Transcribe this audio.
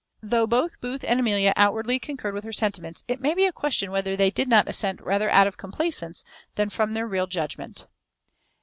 Though both Booth and Amelia outwardly concurred with her sentiments, it may be a question whether they did not assent rather out of complaisance than from their real judgment.